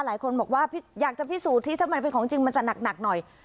หลายคนบอกว่าอยากจะพิสูจน์ที่ถ้ามันเป็นของจริงมันจะหนักหน่อย